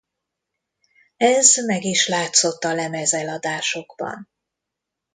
Ez meg is látszott a lemezeladásokban.